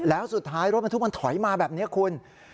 แล้วสุดท้ายรถบรรทุกมันถอยมาแบบนี้คุณ